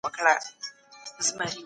سينټ اګوستين د هغه وخت يو لوی عالم و.